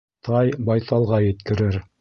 Тай байталға еткерер